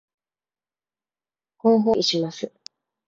後方乱気流に注意します